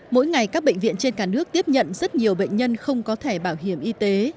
mỗi ngày các bệnh viện trên cả nước tiếp nhận rất nhiều bệnh nhân không có thẻ bảo hiểm y tế